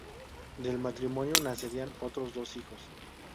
Del matrimonio nacerían otros dos hijos.